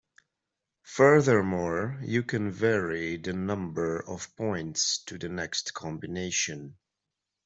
Furthermore, you can vary the number of points to the next combination.